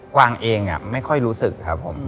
วางเองไม่ค่อยรู้สึกครับผม